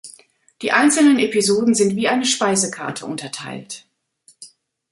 Die einzelnen Episoden sind wie eine Speisekarte unterteilt.